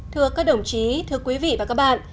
thưa các đồng chí thưa quý vị và các bạn